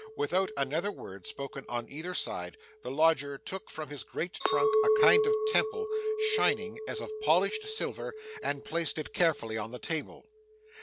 Without another word spoken on either side, the lodger took from his great trunk, a kind of temple, shining as of polished silver, and placed it carefully on the table.